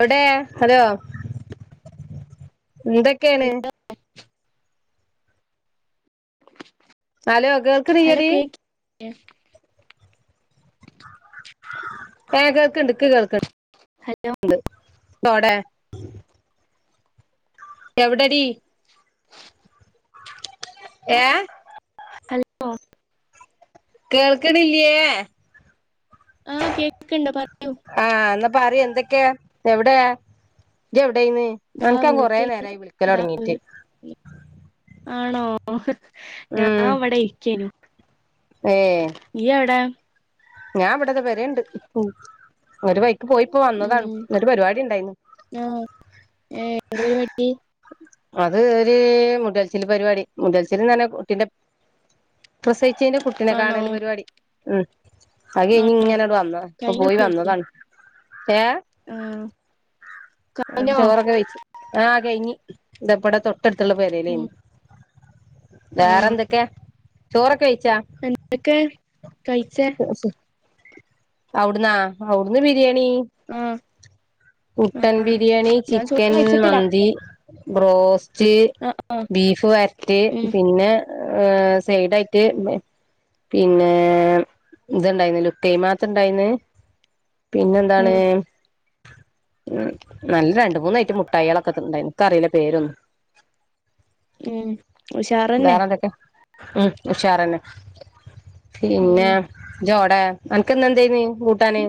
എവിടെ ഹലോ എന്തൊക്കെയാണ് hello hello കേൾക്കണീയടി എഫ് ഏ കേൾക്കണ്ട് എക്ക് കേൾക്കണ്ട് ഹലോ ഉണ്ട് ഓടെ എവിടടി ഏ ഹലോ കേൾക്കണില്ലേ ആഹ് കേക്ക്ണ്ട് പറയൂ ആഹ് എന്നാപ്പ പറ എന്തെങ്കി ക്ക എവിടെയാ [unintelligible] ടെന്ന് ദാ അനക്ക് ഞാൻ കൊറെ വീട്ടിൽ നേരമായി വിളിക്കല് ദാ തുടങ്ങിയിട്ട്. വീ ആണോ ഞാന് അവിടെ ഇരിക്കേന്നെ ഏ നീ എവിടെ. ഞാൻ ഇവിടത്തെ പേരയുണ്ട് ഒരു വൈ പോയിപ്പോ വന്നതാണ്, ഉം എന്നിട്ട്‌ പരിപാടി ഉണ്ടായിരുന്നു. ആഹ് ഏഹ് എന്ത് പരുപാടി. അത് ഒരു മുടൽച്ചില് പരിപാടി മുടൽച്ചില്ന്ന പറഞ്ഞാ കുട്ടിന്റെ. പ്രസവിച്ചതിന്റെ കുട്ടിനെ ആണോ കാണല് പരിപാടി ഉം. അത് ഇനി ആണോ ഇങ്ങനെ വന്ന ഇപ്പൊ കഴിഞ്ഞോ പോയി പരിപാടി വന്നതാണ്. ഏ ആഹ് ക ആഹ് ചോറൊക്കെ വെച്ചു ആഹ് കഴിഞ്ഞ് ഇതപ്പടെ തൊട്ടടുത്തുള്ള ഉം പേരലായിരുന്നു. വേറെ ആഹ് എന്തൊക്കെയാ ചോറൊക്കെ കഴിച്ചോ. എന്തൊക്കെ കഴിച്ചേ. അവിടന്നോ അവിടുന്ന് ബി ബിരിയാണി ആഹ് മുട്ടൻ ആഹ് ബിരിയാണി ഞാൻ ചോറ് ചിക്കൻ കഴിച്ചിട്ടില്ല മന്തി. ബ്രോസ്റ്റ് ആഹ് ആഹ് ബീഫ് വരറ്റ് ഉം പിന്നെ സൈഡായി ട്ട് പിന്നെ ഇതുണ്ടായിരുന്നല്ലോ ലുക്കൈമാ ഇതുയുണ്ടായിന്ന് പിന്നെ എന്താണ്. ഉം ഉം നല്ല രണ്ട് മൂന്ന് ഐറ്റം മുട്ടായികളൊക്കെ തന്നിട്ടുണ്ടായിരുന്നു എനിക്കറിയില്ല പേരൊന്നും. [inaudible] ഉം ഉഷാറന്നെ വേറെന്തൊക്കെ ഉം ഉഷാർ തന്നെ ഉം പിന്നെ ജോട അനക്ക് ഇന്ന് എന്തായിരുന്നു. കൂട്ടാന്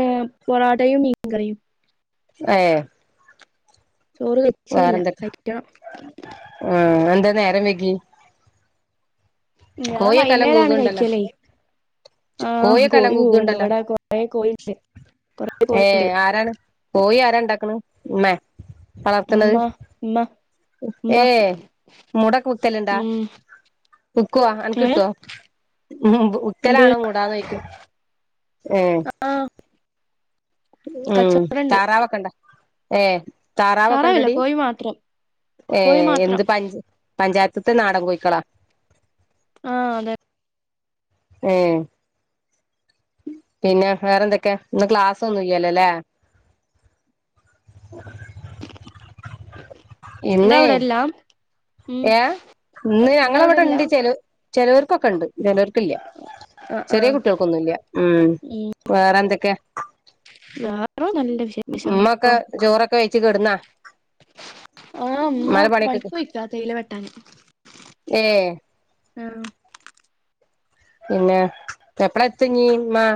ഉം പൊറോട്ടയും മീൻ കറിയും. ഏഹ് ചോറ് കഴിച്ചില്ല വേറെന്തൊക്കെ കഴിക്കണം ഉം എന്താ നേരം വൈകിയെ. ഞാൻ കോഴിയെക്കെയെല്ലാം വൈന്നേരാണ് കൂക്ണ്ടല്ലോ. കഴിക്കലേ ആഹ് കോഴിയെക്കെ എല്ലാം കോഴി കൂവുണ്ട് കൂക്ണ്ടല്ലോ. ഇവിടെ കൊറേ കോഴിണ്ട് കൊറേ കോഴിണ്ട് ഏഹ് ആരാണ് കോഴി ആരാ ഇണ്ടാക്കണ ഉമ്മ. ഉമ്മ്മ ഉമ്മ ഉമ്മ ഏഹ് മുട കുത്തലുണ്ടാ. ഉം ഒക്കുവാ അനക്ക് ഏഹ് കിട്ടുവോ ഉം എന്ത് ഉത്തലാണോ മൂടാതെ വെയ്ക്കാൻ. ഉം ആഹ് ഉം കച്ചോടണ്ട് താറാവ് ഒക്കണ്ടേ ഏഹ്. താറാവില്ല കോഴി മാത്രം. കോഴി ഏഹ് മാത്രം എന്ത് പഞ്ച് പഞ്ചായത്തത്തെ നാടൻ കോയിക്കളോ. ആ അതെ ഏഹ് പിന്നെ വേറെന്തൊക്കെയാ ഇന്ന് ക്ലാസ്സ് ഒന്നും ഇല്ലലോല്ലേ. [inaudible] ഉണ്ടോവിടെല്ലാം. ഏഹ് ഇന്ന് ഞങ്ങള് അവിടെ ഉണ്ട്, ചില ചിലവർക്കൊക്കെ ഉണ്ട്. ചിലർക്കില്ല ആഹ് ചെറിയ ആഹ് കുട്ടികൾക്കൊന്നും ഇല്ല ഉം വേറെ എന്തൊക്കെയാ. വേറെ നല്ല വിശേഷങ്ങൾ ഇപ്പൊ ഉമ്മക്കെ ചോറൊക്കെ കഴിച്ചു കിടുന്നോ. ആഹ് അമ്മ [unintelligible] തേയില വെട്ടാന്. ഏഹ് ഉം പിന്നെ എപള എത്ത് ഇനി ഉമ്മാ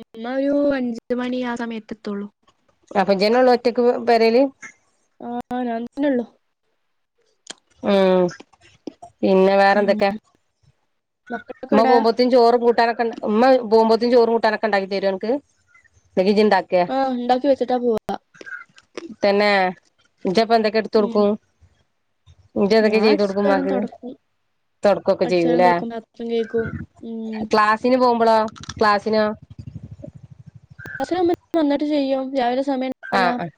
അമ്മ ഒരു അഞ്ച് മണി ആ സമയത്ത് എത്തുള്ളൂ അപ്പൊ ഇജ്ജ് തന്നെ ഒള്ളു ഒറ്റക്ക് പെരെല് ആ ഞാൻ തന്നെയുള്ള ഉം പിന്നെ ഉം വേറെന്തൊക്കെ മക്കളൊക്കെ ഉമ്മ എവിടെ പോവമ്പത്തും ചോറും കൂട്ടാനൊക്കെ ഉണ്ടാ ഉമ്മ പോവമ്പത്തും ചോറും കൂട്ടാനൊക്കെ ഉണ്ടാക്കി തരും നിനക്ക് ജിണ്ടാകുക ആഹ് ഇണ്ടാക്കി വെച്ചിട്ടാ പോവാ തന്നെ ഇജ്ജ് ഇപ്പന്തൊക്കെ എടുത്ത് ഉം കൊടുക്കും ഞാൻ ജെന്തൊക്കെ ചെയ്തു അടിച്ചുവാരും കൊടുക്കുമമാക്ക് തൊടക്കും തൊടക്കൊക്കെ അടിച്ചുവാരും ചെയ്തുല്ലേ തൊടക്കും പാത്രം കഴുകും ഉം ക്ലാസിന് പോകുമ്പോളോ ക്ലാസിനോ വന്നിട്ട് ചെയ്യും രാവിലെ സമയം ഉണ്ടാവില്ല ആഹ് ആഹ്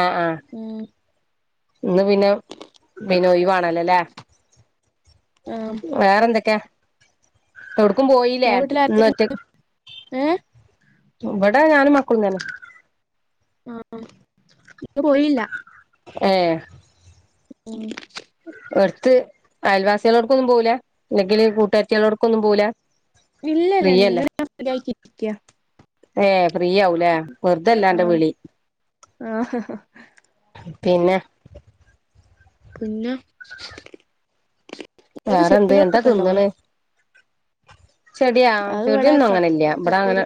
ആഹ് ആഹ് ഉം ഇന്ന് പിന്നെ പിനോയിവാണല്ലോല്ലേ ആഹ് വേറെന്തൊക്കാ എവിടക്കും പോയില്ലേ ഇങ്ങളെ വീട്ടിൽ ഇന്ന് ആരൊക്കെ ഒറ്റ ഏഹ് എടാ ഞാനും മക്കളും തന്നെ പോയില്ല ഏ ഉം എടുത്ത് അയൽവാസികളോടക്കൊ ഒന്നും പോവുല അല്ലെങ്കിൽ കൂട്ടുകാരത്തികളോടക്കൊന്നും പോവുല ഇല്ലല്ല ഇന്ന് ഞൻ ഫ്രീയായിരിക്ക ഏ ഫ്രീ ആവൂലേ വെറുതെല്ലാന്റെറെ ആഹ് വിളി ആഹ് പിന്നെ പിന്നെ ങ്ങക്ക് വേറെന്ത് എന്താ ചെടികളൊക്കെണ്ടോ തിന്നണ് ചെടിയാ ചെടിയൊന്നും ക അങ്ങനെ ഇല്ല ഇവിട കപ്പൊരി അങ്ങനെ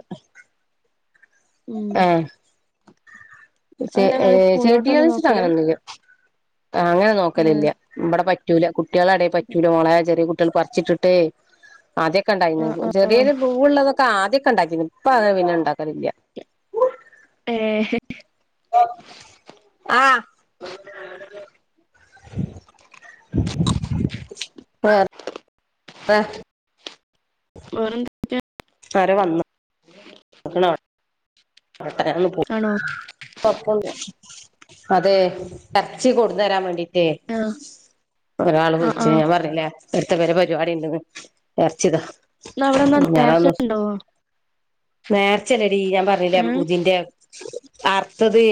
ഉം അതെന്താ ഇങ്ങള് പൂന്തോട്ടം ചെടിയാന്ന് ഒന്നും വെച്ചിട്ട് നോക്കൂല അങ്ങനെൊന്നും അങ്ങനെ ഏഹ് നോക്കലില്ല ഇബടെ പ പറ്റൂല കുട്ട്യാളെ എടെ പറ്റൂല മോളേ ചെറിയ കുട്ട്യാൾ പറിച്ചിട്ടിട്ടേ ആദ്യൊക്കെ ഉണ്ടായിന്ന് ആഹ് ആഹ് ചെറിയൊരു പൂവ് ഉള്ളതൊക്കെ ആദ്യെ കണ്ടാക്കി ഇപ്പൊ അങ്ങനെ പിന്നെ ഉണ്ടാക്കറില്ല ഏ ആഹ് ആ ആ വേറെന്തൊക്കെ വേറെ വന്ന് ആക്കണ പെട്ടനന്ന് ആണോ പോപ്പ് അതെ എറച്ചി കൊടുന്ന് തരാൻ വേണ്ടിട്ട് എ ആഹ് ഒരാള് ആഹ് വിളിച്ച് ആഹ് ഞാൻ പറഞ്ഞല്ലേ ഇത്ര പേരെ പരിപാടി ഉണ്ട് എർച്ചിതാ ഇന്ന് അവിടെന്നാ നേർച്ച ഉണ്ടോ നേർച്ചല്ലടി ഞാൻ പറഞ്ഞില്ലേ ഇതിന്റെ അർഥത്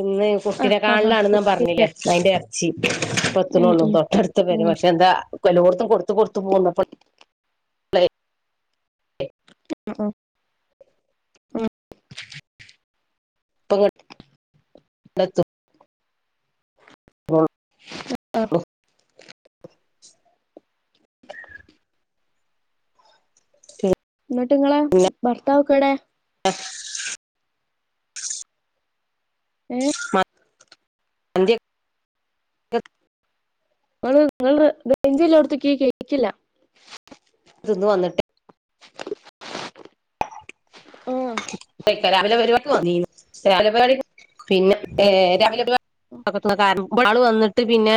ഇന്ന് ആഹ് കുട്ടിനെ ആഹ് ആഹ് കാണലാാണ്ന്ന് പറഞ്ഞില്ലേ അതിന്റെ ഇറച്ചി ഉം ഇപ്പത്ത്ണൊള്ളൂ ഉം തൊട്ടടുത്ത് പേരെ ഉം പക്ഷെ എന്താ എല്ലോത്തും കൊടുത്ത് കൊടുത്തു പോകുന്നപ്പ പേ ഉം ഉം പ്പങ്ങട്ട് പ്പത്തും ആഹ് [unintelligible] ന്നട്ട് ങ്ങളെ ഭർത്താവിപ്പെടെ എഹ് [unintelligible] ങ്ങള് ങ്ങള് ഗഞ്ച്ല്ലോട്ത്തിക്കി കേക്കില്ല തിന്ന് വന്നിട്ട് ആഹ് രാവിലെ പരിപാടി പോന്നിനീ രാവിലെ പരിപാടി പോ പിന്നെ ഏർ രാവിലെ പരിപാടി [unintelligible] കാരണം ആള് വന്നിട്ട് പിന്നെ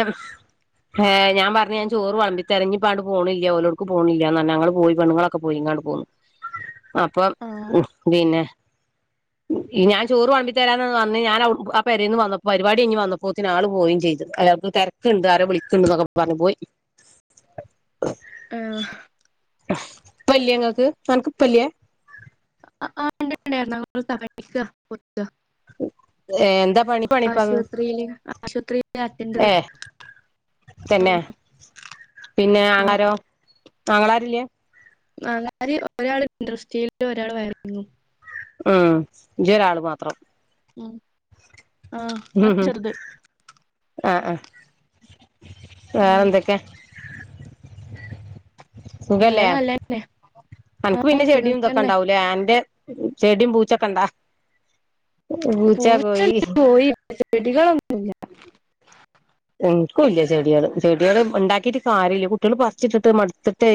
ഏ ഞാൻ പറഞ്ഞു ഞാൻ ചോറ് വിളമ്പിത്തരാ ഇഞ്ഞിപ്പ അങട്ട് പോണില്ല ഓരോർക്ക് പോണില്ല ന്നാ ഞങ്ങള് പോയി പെണ്ണങ്ങളൊക്കെ പോയി ഇങ്ങോട്ട് പോന്നു അപ്പൊ ആഹ് ഉം പിന്നെ ഈ ഞാൻ ചോറ് വിളമ്പി തരാന്ന് പറഞ്ഞ് വന്ന് ഞാൻ ആ പേരേന്ന് വന്നപ്പോ പരിപാടി കഴിഞ്ഞ് വന്നപ്പോത്തിന് ആൾ പോവുകയും ചെയ്ത് അല്ല തിരക്കുണ്ട് ആരോ വിളിക്കണ്ട് എന്നോക്കെ പറഞ്ഞു പോയി ആഹ പല്ലിയങ്ങക്ക് [unintelligible] പല്യ ആഹ ഉണ്ടണ്ടായിരുന്നു [unintelligible] തിക്ക കൊടുക്ക എന്താ പണി പണിപ്പത് ആശുപത്രിയില് ആശുപത്രിയില അറ്റൻഡർ ഏ തന്നെ ആഹ് പിന്നെ ആങ്ങളരോ ആങ്ങളാരില ആങ്ങളാര് ഒരാള് ഇൻഡസ്ട്രിയിലും ഒരാള് വയറിങ്ങും ഉം ജി ഒരാള് മാത്രം ഉം ആഹ ഞാൻ ചെറുത് ആഹ് ആഹ് ഉം വേറെ എന്തൊക്കെ വേറെ നല്ലന്നെ അനക്ക് പിന്നെ ചെടിയും ഇതൊക്കെ ഉണ്ടാവൂലേ ആന്റെ ചെടിയും പൂച്ചൊക്കെ ഇണ്ടാ പൂച്ച പോയി പോയി ചെടികളൊന്നുമില്ല എനിക്കും ഇല്ല ചെടികൾ ചെടികള് ഉണ്ടാക്കിട്ട് കാര്യമില്ല കുട്ടികൾ പറിച്ചിട്ടിട്ട് മടുത്തിട്ടെ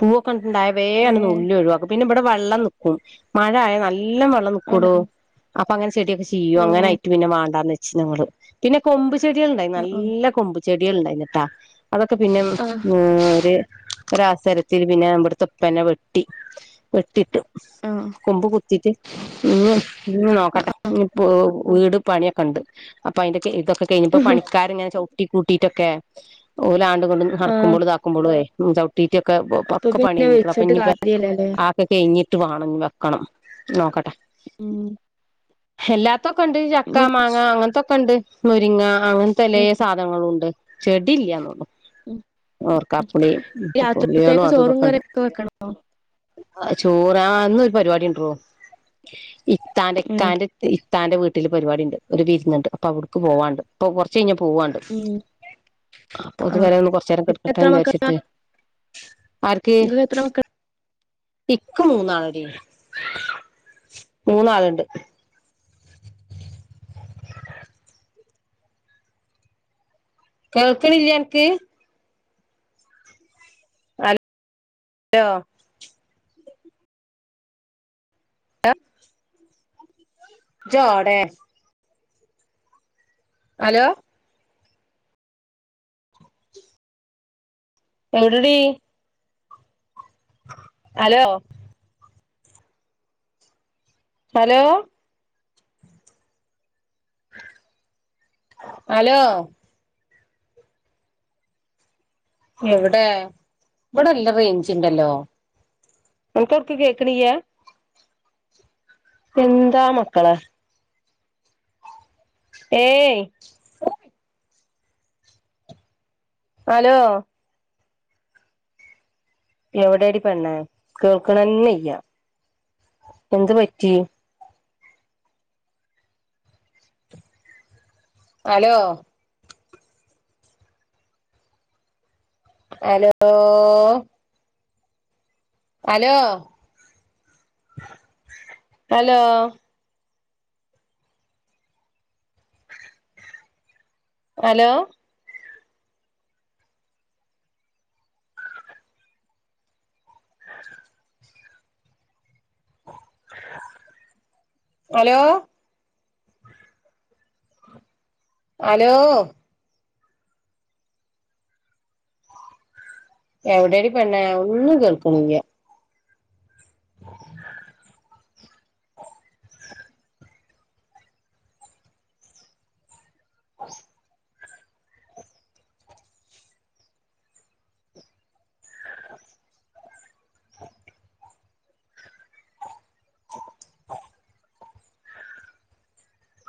പൂവൊ ണ്ടാടായവേ അങ്ങോട്ട് ഏഹ് നുള്ളി ഒഴിവാക്കും പിന്നെ ഇവിടെ വെള്ളം നിക്കും മഴയായാ നല്ല ല്ലം വെള്ളം ആണോ നിക്കൂടൊ അപ്പൊ അങ്ങനെ ചെടിയൊക്കെ ചീയും ഓഹ് അങ്ങനെയായിട്ട് പിന്നെ വേണ്ടന്ന് വെ ച്ച് ഞങ്ങള് പിന്നെ കൊമ്പ് ചെടികൾ ഉണ്ടായി ആഹ് നല്ല കൊമ്പു ചെടികൾ ഉണ്ടായിരുന്നിട്ടാ അതൊക്കെ പിന്നെ ഉം ആഹ് ര് ഒരാസരത്തി പിന്നെ നമ്മുടെ ഉപ്പനെ വെട്ടി വെട്ടിട്ട് ആഹ് ആഹ് കൊമ്പ് കുത്തിയിട്ട് ഇഞ് ഇഞ് നോക്കട്ടെ ഇഞ്പ്പോ വീട് പണിയൊക്കെണ്ട് അപ്പയ്ന്റെ ക്കെ ഇതൊക്കെ കഴിഞ്ഞപ്പം പണി ങ്ങനെ ചവിട്ടി കൂട്ടിയിട്ടൊക്കെ ഓലാണ്ടിങ്ങടും ആഹ് നടക്കുമ്പളും ഇതാക്കുമ്പളൊയ് ചവ് കിട്ടീട്ടൊക്കെ ഒ- പെ- അപ്പൊ ഒക്കെ പണി പിന്നെ കഴിഞ്ഞ്ക്ക്ണു അപ്പ വിളിച്ചിട്ട് ഇഞ്ഞിപ്പ കാര്യല്ലല്ലേ ആക്കൊ കഴിഞ്ഞ് ട്ട് വാണം ഇഞ് വെക്കണം നോക്കട്ടെ ഊം എല്ലാത്തൊക്കെണ്ട് ചക്ക, മാങ്ങ അങ്ങനത്തൊക്കെണ്ട് മുരിങ്ങ അങ്ങ ഉം പലേ സാധനങ്ങളൂണ്ട് ചെടി ഇല്ലന്നൊള്ളു ഉം ഓർക്കാപുളി [unintelligible] പുളിയാളും രാത്രിത്തേക്ക് അതു ചോറും ഇതൊക്കെണ്ട് കറിയൊക്കെ വെക്കണോ അഹ് ചോറാ ന്ന് ഒരു പരിപാടി ഉണ്ടെടോ ഇത്താന്റെ ഉം ഇക്കാന്റെ ഇ ത്താന്റെ വീട്ടില് പരിപാടിണ്ട് ഒരു വിരുന്നുണ്ട് അപ്പൊ അവ്ടുക്ക് പോവാണ്ട് ഇപ്പൊ കൊറച്ച് കഴിഞ്ഞ പോവണ്ട് ഉം അപ്പൊ അത് വരെ ഒന്ന് കൊറച്ചേരം ഇങ്ങക്ക് എത്ര കെടക്കട്ടെന്നു മക്കളാ വിചാരിച്ചിട്ട് ആര്ക്ക്‌ ഇങ്ങക്ക് എത്ര മക്കളാ ഇക്ക് മൂന്നാളെടീ മൂന്നാള്ണ്ട് കേൾക്ക്ണില്ലേ അനക്ക് ഹ-ലോ ഇജ്ജെവ്ടേ ഹലോ എവിടെടി ഹലോ ഹലോ ഹലോ എവിടെ ഇവിടെല്ല റേഞ്ച് ഉണ്ടല്ലോ അനക് അഉക്ക് കേക്കണില്ല എന്താ മക്കളെ ഏയ് ഹലോ എവിടെടി പെണ്ണേ കേൾക്കണന്നിയ്യ എന്ത് പറ്റി hello hello hello hello hello [inaudible] hello hello എവിടെടി പെണ്ണെ ഒന്നും കേൾക്കണില്ല [inaudible] [inaudible]